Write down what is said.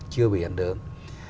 chưa bị ảnh hưởng